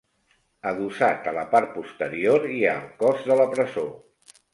Adossat a la part posterior hi ha el cos de la presó.